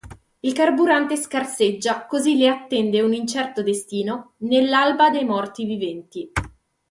Il carburante scarseggia, così li attende un incerto destino nell'alba dei morti viventi.